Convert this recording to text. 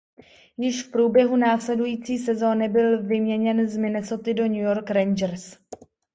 Již v průběhu následující sezóny byl vyměněn z Minnesoty do New York Rangers.